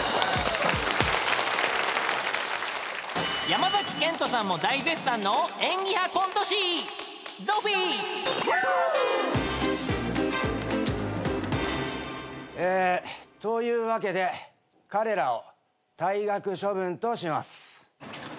［山賢人さんも大絶賛の演技派コント師］えというわけで彼らを退学処分とします。